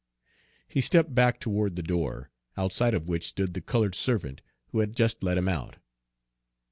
He stepped back toward the door, outside of which stood the colored servant who had just let him out.